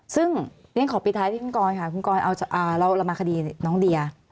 ซึ่งเรียนขอปิดท้ายที่คุณกรค่ะคุณกรเอาเรามาคดีน้องเดีย